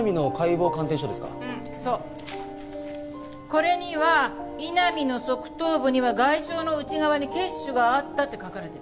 これには井波の側頭部には外傷の内側に血腫があったって書かれてる。